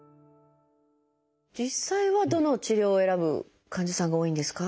実際はどの治療を選ぶ患者さんが多いんですか？